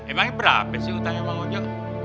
emang berapa sih utangnya bang ojo